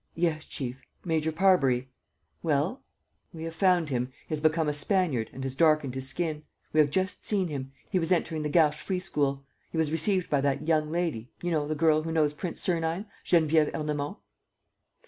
"Yes, chief, Major Parbury. ..." "Well?" "We have found him. He has become a Spaniard and has darkened his skin. We have just seen him. He was entering the Garches free school. He was received by that young lady ... you know, the girl who knows Prince Sernine, Geneviève Ernemont."